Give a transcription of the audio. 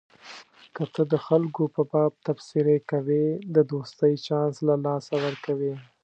که ته د خلکو په باب تبصرې کوې د دوستۍ چانس له لاسه ورکوې.